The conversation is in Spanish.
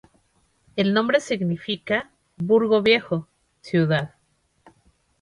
El nombre significa "burgo viejo, ciudad".